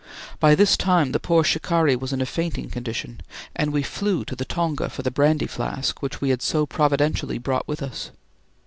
By this time the poor shikari was in a fainting condition, and we flew to the tonga for the brandy flask which we had so providentially brought with us.